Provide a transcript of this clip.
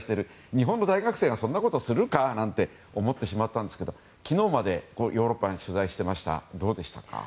日本の大学生がそんなことするか？なんて思ってしまったんですけど昨日までヨーロッパで取材をしていた増田さんどうでしたか？